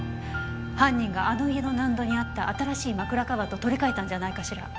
犯人があの家の納戸にあった新しい枕カバーと取り替えたんじゃないかしら。